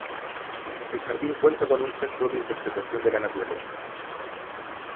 El jardín cuenta con un centro de interpretación de la naturaleza.